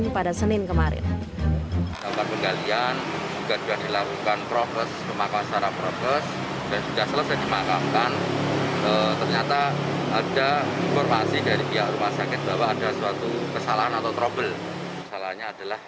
pada senin kemarin